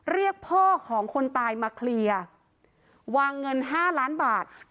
เรียกพ่อของคนตายมาเคลียร์วางเงิน๕ล้านบาท